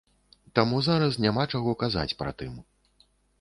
Таму зараз няма чаго казаць пра тым.